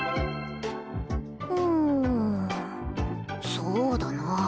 うんそうだな